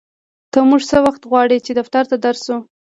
ته مونږ څه وخت غواړې چې دفتر ته در شو